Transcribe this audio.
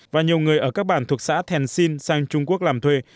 và nhiều người ở các bản thuộc xã thèn sinh sang trung quốc làm thuê